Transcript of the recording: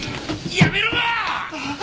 やめろや！